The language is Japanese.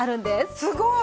すごい！